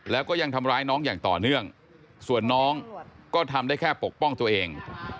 แล้วก็ยังทำร้ายน้องอย่างต่อเนื่องส่วนน้องก็ทำได้แค่ปกป้องตัวเอง